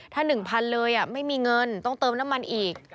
ถ้า๑๐๐๐เลยไม่มีเงินต้องเติมน้ำมันอีก